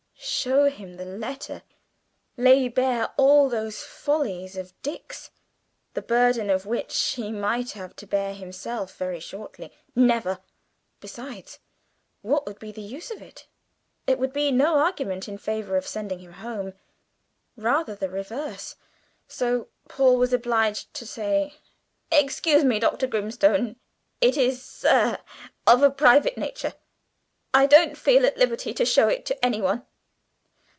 Show him the letter lay bare all those follies of Dick's, the burden of which he might have to bear himself very shortly never! Besides, what would be the use of it? It would be no argument in favour of sending him home rather the reverse so Paul was obliged to say, "Excuse me, Dr. Grimstone, it is ah of a private nature. I don't feel at liberty to show it to anyone."